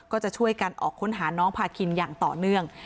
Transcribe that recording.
ก็จะช่วยกันออกค้นหาน้องพาคินอย่างต่อเนื่อง